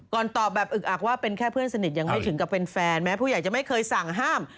ตอบแบบอึกอักว่าเป็นแค่เพื่อนสนิทยังไม่ถึงกับแฟนแม้ผู้ใหญ่จะไม่เคยสั่งห้าม